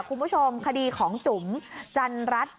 คุณผู้ชมคดีของจุ๋มจันรัฐ